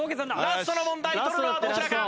ラストの問題取るのはどちらか？